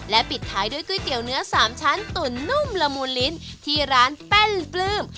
ปิดท้ายด้วยก๋วยเตี๋ยวเนื้อสามชั้นตุ๋นนุ่มละมูลลิ้นที่ร้านแป้นปลื้ม